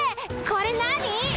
これ何？